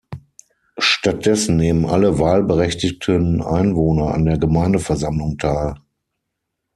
Stattdessen nehmen alle wahlberechtigten Einwohner an der Gemeindeversammlung teil.